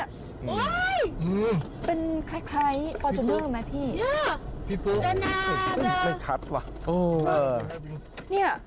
โอ้ยเป็นคล้ายคล้ายมาพี่เนี่ยไม่ชัดว่ะโอ้เออเนี่ย